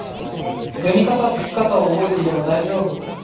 読みかた・解きかたを覚えていけば大丈夫！